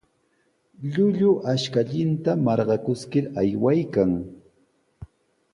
Llullu ashkallanta marqakuskir aywaykan.